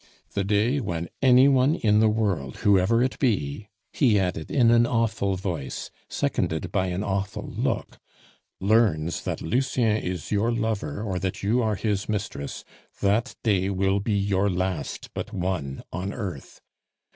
The day when any one in the world, whoever it be," he added in an awful voice, seconded by an awful look, "learns that Lucien is your lover, or that you are his mistress, that day will be your last but one on earth.